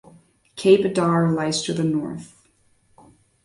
Cape Adare lies to the north.